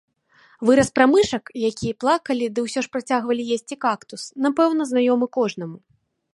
Выраз пра мышак, які плакалі, ды ўсё ж працягвалі есці кактус, напэўна, знаёмы кожнаму.